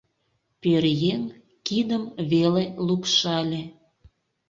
Пӧръеҥ кидым веле лупшале: